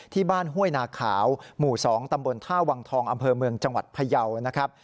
ห้วยนาขาวหมู่๒ตำบลท่าวังทองอำเภอเมืองจังหวัดพยาวนะครับ